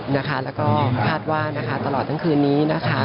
แล้วก็คาดว่านะคะตลอดทั้งคืนนี้นะคะ